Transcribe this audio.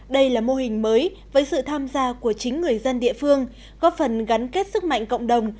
đây là mô hình mới với sự tham gia của chính người dân địa phương góp phần gắn kết sức mạnh cộng đồng